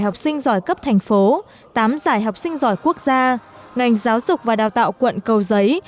học sinh giỏi cấp thành phố tám giải học sinh giỏi quốc gia ngành giáo dục và đào tạo quận cầu giấy